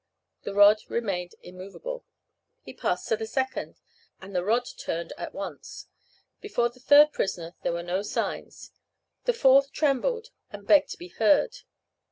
The rod remained immovable. He passed to the second, and the rod turned at once. Before the third prisoner there were no signs; the fourth trembled, and begged to be heard.